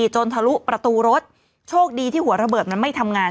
ทะลุประตูรถโชคดีที่หัวระเบิดมันไม่ทำงาน